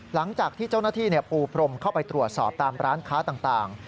หลังจากที่เจ้าหน้าที่ปูพรมเข้าไปตรวจสอบตามร้านค้าต่าง